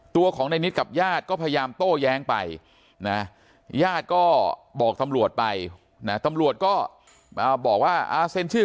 ตัวของในนิดกับญาติก็พยายามโต้แย้งไปนะญาติก็บอกตำรวจไปนะตำรวจก็บอกว่าเซ็นชื่อ